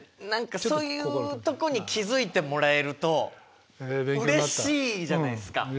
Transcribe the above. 何かそういうとこに気付いてもらえるとうれしいじゃないですか。